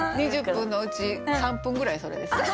２０分のうち３分ぐらいそれですね。